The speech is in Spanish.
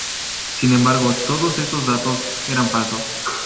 Sin embargo, todos esos datos eran falsos.